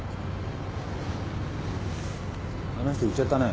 あの人行っちゃったね。